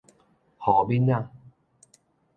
雨抿仔